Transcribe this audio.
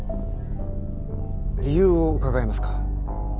理由を伺えますか。